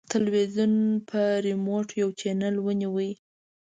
تلویزیون په ریموټ یو چینل ونیو.